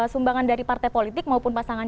sumbangan dari partai politik maupun pasangan